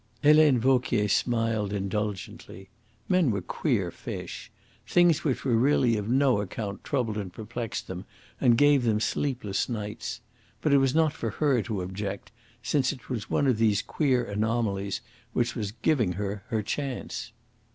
Helena Vauquier smiled indulgently. Men were queer fish. Things which were really of no account troubled and perplexed them and gave them sleepless nights. But it was not for her to object, since it was one of these queer anomalies which was giving her her chance.